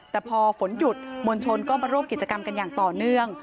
แต่พอฝนหยุดมวลชนก็มาร่วมกิจกรรมกันอย่างต่อเนื่อง